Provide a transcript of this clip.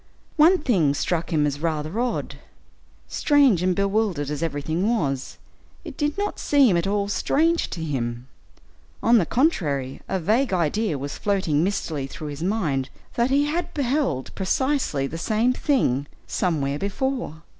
One thing struck him as rather odd; strange and bewildered as everything was, it did not seem at all strange to him, on the contrary, a vague idea was floating mistily through his mind that he had beheld precisely the same thing somewhere before.